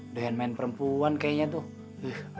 doen main perempuan kayaknya tuh